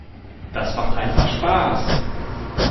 Das macht einfach Spaß!